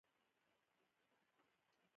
کله کله د خپلې خوښې لپاره